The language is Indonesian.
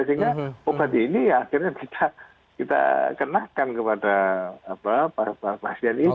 sehingga obat ini ya akhirnya tidak kita kenakan kepada pasien itu